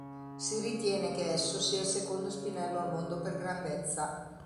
Si ritiene che esso sia il secondo spinello al mondo per grandezza.